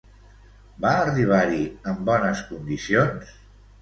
Va arribar-hi en bones condicions?